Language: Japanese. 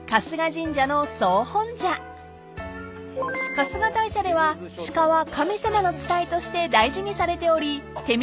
［春日大社では鹿は神様の使いとして大事にされており手水